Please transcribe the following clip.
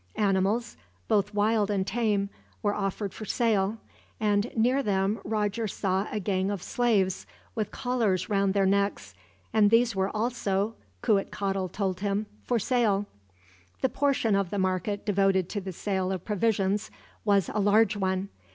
Animals, both wild and tame, were offered for sale; and near them Roger saw a gang of slaves, with collars round their necks, and these were also, Cuitcatl told him, for sale. The portion of the market devoted to the sale of provisions was a large one.